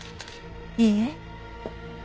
いいえ。